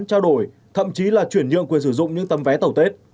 trao đổi thậm chí là chuyển nhượng quyền sử dụng những tấm vé tàu tết